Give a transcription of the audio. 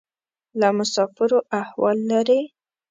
له مسافرو احوال لرې؟